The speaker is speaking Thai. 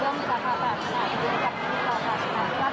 คุณผู้สามารถได้คิดคุณผู้สามารถได้คิด